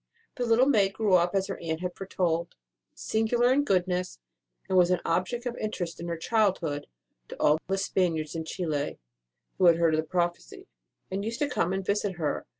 The little maid grew up as her aunt had foretold, singular in goodness, and was an object of interest in her childhood to all the Spaniards in Chili, who had heard of the prophecy, and used to come and visit her.